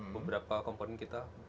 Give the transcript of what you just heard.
beberapa komponen kita